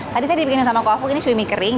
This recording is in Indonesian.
tadi saya dibikin sama kua fook ini cui mie kering